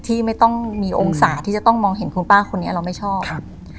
ที่ไม่ต้องมีโอกาสที่จะต้องมองเห็นคุณป้าคนนี้เราไม่ชอบครับ